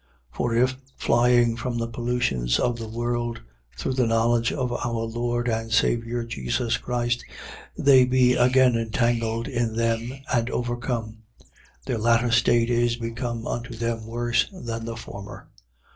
2:20. For if, flying from the pollutions of the world, through the knowledge of our Lord and Saviour Jesus Christ, they be again entangled in them and overcome: their latter state is become unto them worse than the former.